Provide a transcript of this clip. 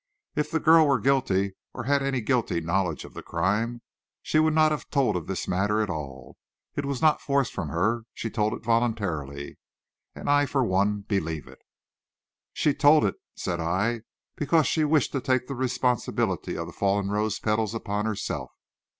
If the girl were guilty, or had any guilty knowledge of the crime, she would not have told of this matter at all. It was not forced from her; she told it voluntarily, and I, for one, believe it." "She told it," said I, "because she wished to take the responsibility of the fallen rose petals upon herself.